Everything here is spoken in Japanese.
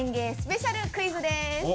スペシャルクイズでーす。